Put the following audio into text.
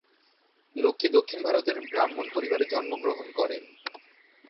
লক্ষ্মী দক্ষিণ ভারতের ব্রাহ্মণ পরিবারে জন্মগ্রহণ করেন।